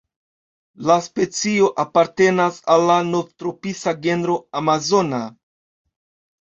La specio apartenas al la Novtropisa genro "Amazona".